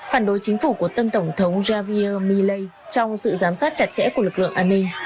phản đối chính phủ của tân tổng thống javier milley trong sự giám sát chặt chẽ của lực lượng an ninh